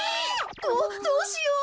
どうしよう。